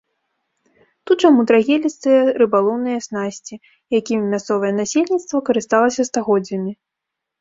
Тут жа мудрагелістыя рыбалоўныя снасці, якімі мясцовае насельніцтва карысталася стагоддзямі.